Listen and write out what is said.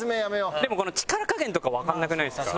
でもこの力加減とかわからなくないですか？